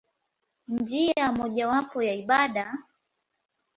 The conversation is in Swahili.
Njia mojawapo ya ibada.